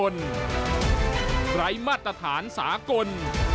ไร้มาตรฐานสากล